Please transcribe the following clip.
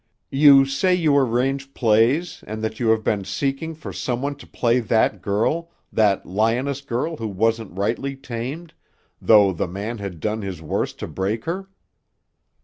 "You say you arrange plays and that you have been seeking for some one to play that girl, that lioness girl who wasn't rightly tamed, though the man had done his worst to break her?"